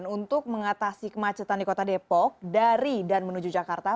untuk mengatasi kemacetan di kota depok dari dan menuju jakarta